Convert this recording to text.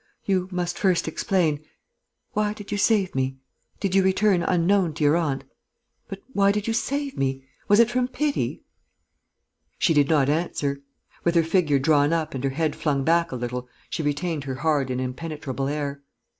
you must first explain.... Why did you save me? Did you return unknown to your aunt? But why did you save me? Was it from pity?" She did not answer. With her figure drawn up and her head flung back a little, she retained her hard and impenetrable air.